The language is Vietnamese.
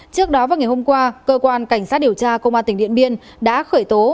trước đó vào ngày hôm qua cơ quan cảnh sát điều tra công an tỉnh điện biên đã khởi tố